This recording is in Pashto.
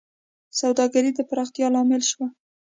سوداګرۍ د پراختیا لامل شوه.